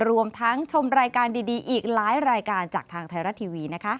รวมทั้งชมรายการดีอีกหลายรายการจากทางไทยรัฐทีวี